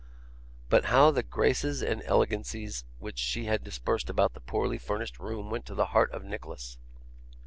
But how the graces and elegancies which she had dispersed about the poorly furnished room went to the heart of Nicholas!